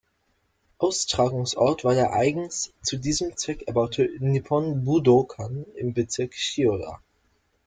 Austragungsort war der eigens zu diesem Zweck erbaute Nippon Budōkan im Bezirk Chiyoda.